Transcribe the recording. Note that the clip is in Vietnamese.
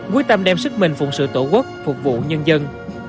quyết tâm đem sức mình phụng sự tổ quốc phục vụ nhân dân